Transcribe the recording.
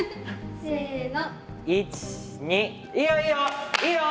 せの。